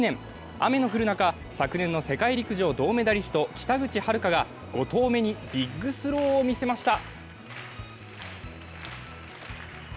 雨の降る中、昨年の世界陸上銅メダリスト北口榛花が５投目にビッグスローを見せました。